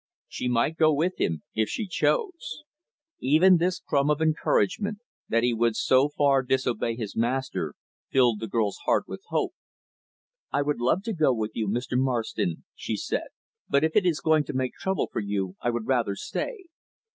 She might go with him, if she chose. Even this crumb of encouragement that he would so far disobey his master filled the girl's heart with hope. "I would love to go with you, Mr. Marston," she said, "but if it is going to make trouble for you, I would rather stay."